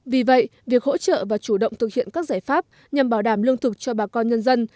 vì vậy việc hỗ trợ và chủ động thực hiện các giải pháp nhằm bảo đảm lương thực cho bà con nhân dân